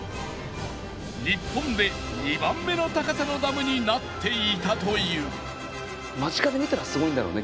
日本で２番目の高さのダムになっていたという。